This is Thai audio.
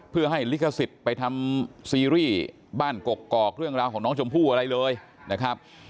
เพื่อให้ลิขสิทธิ์ไปทำซีรีส์บ้านกกอกเรื่องราวของน้องชมพู่อะไรเลยนะครับ